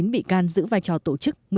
hai mươi chín bị can giữ vai trò tổ chức